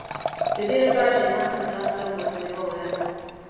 د دې لپاره چې ځان ترې خلاص کړم، ور ته مې وویل.